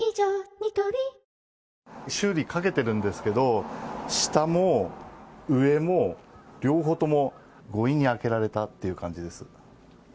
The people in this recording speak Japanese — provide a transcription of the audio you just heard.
ニトリ修理かけてるんですけど、下も上も、両方とも、強引に開けられたっていう感じです。